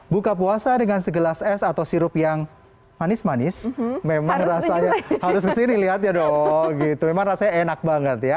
buka puasa dengan segelas es atau sirup yang manis manis memang rasanya enak banget ya